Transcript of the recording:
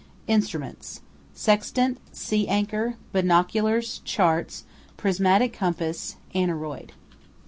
Instruments: Sextant. Sea anchor. Binoculars. Charts. Prismatic compass. Aneroid.